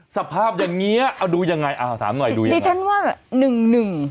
สภาพอย่างเงี้ยเอาดูยังไงอ้าวถามหน่อยดูยังไงดิฉันว่าหนึ่งหนึ่ง